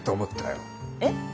えっ？